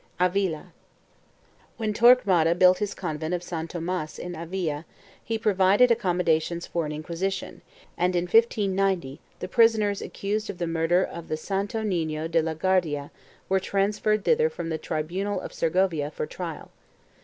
4 AVILA. When Torquemada built his convent of San Tomas in Avila he provided accommodations for an Inquisition and, in 1590, the prisoners accused of the murder of the Santo Nino de la Guardia were transferred thither from the tribunal of Segovia for trial.